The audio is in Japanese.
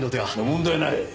問題ない。